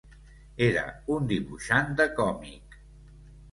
Era un dibuixant de còmic.